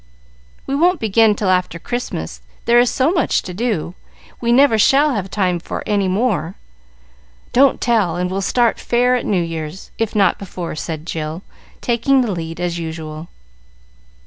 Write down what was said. "We won't begin till after Christmas; there is so much to do, we never shall have time for any more. Don't tell, and we'll start fair at New Year's, if not before," said Jill, taking the lead as usual.